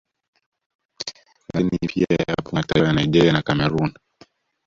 Lakini pia yapo mataifa ya Nigeria na Cameroon